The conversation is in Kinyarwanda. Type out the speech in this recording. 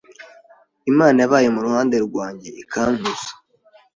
Imana yabaye mu ruhande rwanjye ikankuza